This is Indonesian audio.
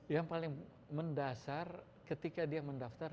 yang paling mendasar ketika dia mendaftar